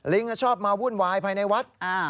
ชอบมาวุ่นวายภายในวัด